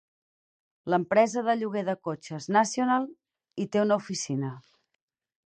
L'empresa de lloguer de cotxes National hi té una oficina.